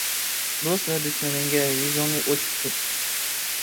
دوست ۋە دۈشمىنىڭگە يۈزۈڭنى ئوچۇق تۇت.